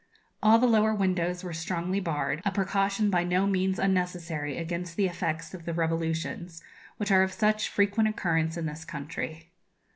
All the lower windows were strongly barred, a precaution by no means unnecessary against the effects of the revolutions, which are of such frequent occurrence in this country.